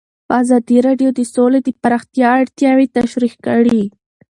ازادي راډیو د سوله د پراختیا اړتیاوې تشریح کړي.